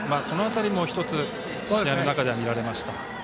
その辺りも１つ試合の中では見られました。